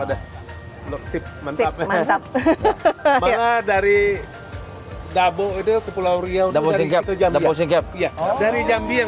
ada loksip mantap mantap dari dabo itu pulau riau dabo singkep dabo singkep dari jambi yang